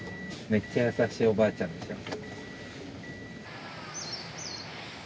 めっちゃ優しいおばあちゃんでしょ。